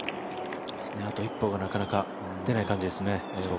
あと一歩がなかなか出ない感じですね。